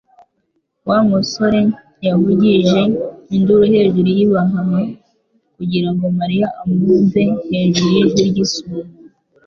Wa musore yavugije induru hejuru y'ibihaha kugira ngo Mariya amwumve hejuru y'ijwi ry'isumo